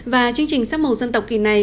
và chương trình sắc màu dân tộc kỳ này